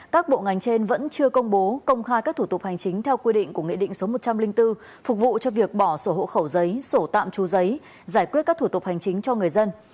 các thủ tục hành chính cho người dân